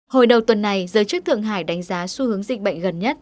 hồi đầu tuần này giới chức thượng hải đánh giá xu hướng dịch bệnh gần nhất